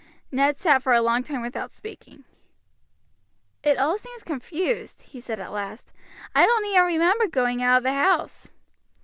Ned sat for a long time without speaking. "It seems all confused," he said at last. "I don't even remember going out of the house.